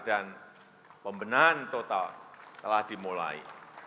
dan pembenahan total telah dimulai